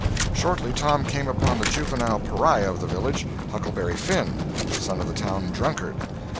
Shortly Tom came upon the juvenile pariah of the village, Huckleberry Finn, son of the town drunkard.